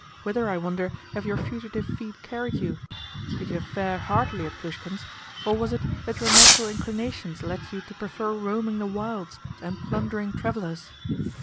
Whither, I wonder, have your fugitive feet carried you? Did you fare hardly at Plushkin's, or was it that your natural inclinations led you to prefer roaming the wilds and plundering travellers?